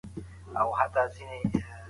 سياستپوهنه بايد د ټولني قواعد وپېژني.